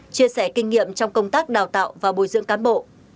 chia sẻ kinh nghiệm trong công tác đào tạo và bồi dưỡng cán bộ